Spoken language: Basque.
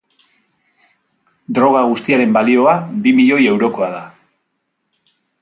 Droga guztiaren balioa bi milioi eurokoa da.